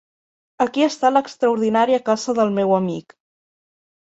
Aquí està l'extraordinària casa del meu amic.